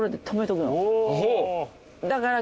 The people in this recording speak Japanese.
だから。